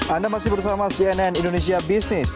anda masih bersama cnn indonesia business